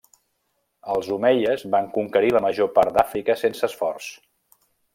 Els omeies van conquerir la major part d'Àfrica sense esforç.